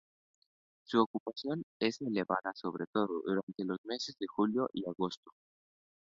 Su ocupación es elevada, sobre todo durante los meses de julio y agosto.